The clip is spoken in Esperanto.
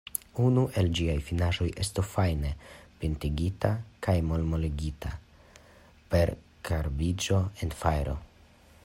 Unu el ĝiaj finaĵoj estu fajne pintigita kaj malmoligita per karbiĝo en fajro.